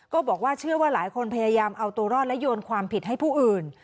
ก็บอกว่าเชื่อว่าหลายคนพยายามเอาตัวรอดและโยนความผิดให้ผู้อื่น